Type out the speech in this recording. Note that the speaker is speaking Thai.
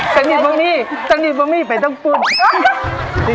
แสดงดิทบมี่แสดงดิทบมี่ไปตั้งปุ่น